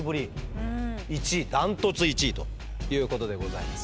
１位ダントツ１位ということでございます。